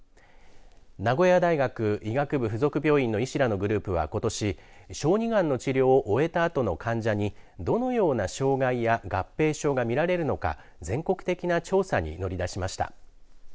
名古屋大学医学部附属病院の医師らのグループはことし、小児がんの治療を終えた後の患者にどのような障害や合併症が見られるのか全国的な調査に乗り出しました。